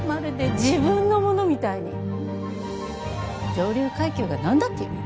上流階級が何だっていうの？